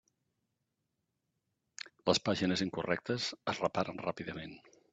Les pàgines incorrectes es reparen ràpidament.